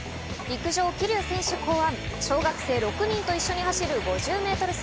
陸上・桐生選手考案、小学生６人と走る５０ｍ走。